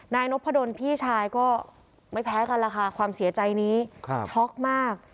นายนพดลพี่ชายก็ไม่แพ้กันล่ะค่ะความเสียใจนี้ช็อกมาก